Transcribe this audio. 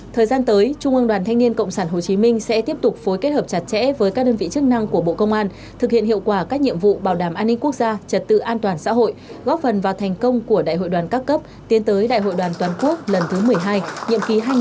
thời gian tới trung ương đoàn thanh niên cộng sản hồ chí minh sẽ tiếp tục phối kết hợp chặt chẽ với các đơn vị chức năng của bộ công an thực hiện hiệu quả các nhiệm vụ bảo đảm an ninh quốc gia trật tự an toàn xã hội góp phần vào thành công của đại hội đoàn các cấp tiến tới đại hội đoàn toàn quốc lần thứ một mươi hai nhiệm kỳ hai nghìn hai mươi hai nghìn hai mươi năm